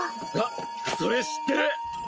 あっそれ知ってる。